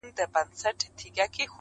له جانانه مي ګيله ده!!